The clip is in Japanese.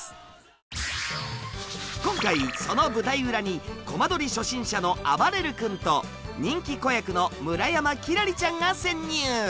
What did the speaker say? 今回その舞台裏にコマ撮り初心者のあばれる君と人気子役の村山輝星ちゃんが潜入！